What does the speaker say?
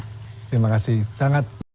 terima kasih sangat